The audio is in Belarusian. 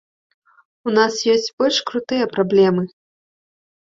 У нас ёсць больш крутыя праблемы.